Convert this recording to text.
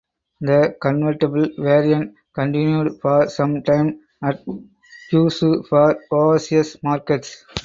The convertible variant continued for some time at Kyushu for overseas markets.